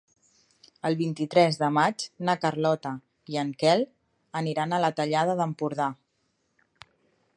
El vint-i-tres de maig na Carlota i en Quel aniran a la Tallada d'Empordà.